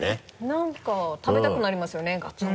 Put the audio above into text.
何か食べたくなりますよねガツン！